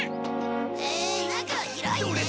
へえ中は広いね。